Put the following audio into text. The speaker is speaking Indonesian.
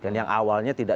kan yang awalnya tidak